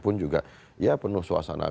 pun juga ya penuh suasana